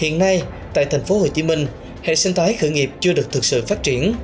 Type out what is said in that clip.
ngay tại tp hcm hệ sinh thái khởi nghiệp chưa được thực sự phát triển